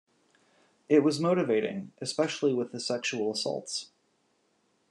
It was motivating, especially with the sexual assaults.